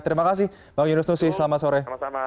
terima kasih bang yunus nusi selamat sore